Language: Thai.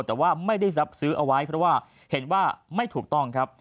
แต่ว่าไม่ได้รับซื้อเอาไว้เพราะว่าเห็นว่าไม่ถูกต้องครับ